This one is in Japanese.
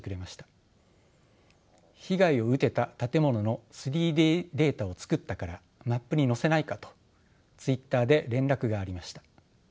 「被害を受けた建物の３Ｄデータを作ったからマップに載せないか」とＴｗｉｔｔｅｒで連絡がありました。